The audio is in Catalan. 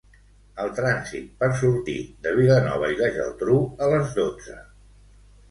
El trànsit per sortir de Vilanova i la Geltrú a les dotze.